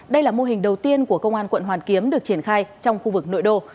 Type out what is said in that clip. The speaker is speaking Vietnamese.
đây là mô hình đầu tiên của công an quận hoàn kiếm được triển khai trong khu vực nội đô